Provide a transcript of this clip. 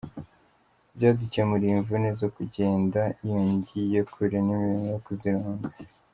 Byadukemuriye imvune zo kugenda iyo ngiyo kure n’imirimo yo kuzironga.